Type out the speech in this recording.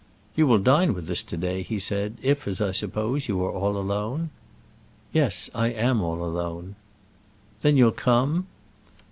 "You will dine with us to day," he said, "if, as I suppose, you are all alone." "Yes, I am all alone." "Then you'll come?"